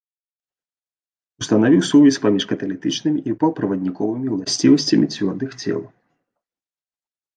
Устанавіў сувязь паміж каталітычнымі і паўправадніковымі ўласцівасцямі цвёрдых цел.